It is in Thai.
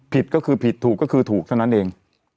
ผิดก็คือผิดถูกก็คือถูกเท่านั้นเอง